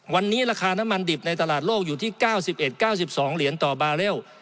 วันนี้ราคาน้ำมันดิบในตลาดโลกอยู่ที่๙๑๙๒เหรียญต่อบาร์เรล